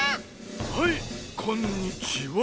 はいこんにちは。